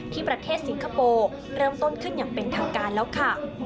ที่ประเทศสิงคโปร์เริ่มต้นขึ้นอย่างเป็นทางการแล้วค่ะ